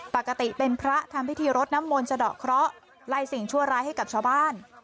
ปกติเป็นพระทำพิธีรดน้ำมนต์สะดอกเคราะห์ไล่สิ่งชั่วร้ายให้กับชาวบ้าน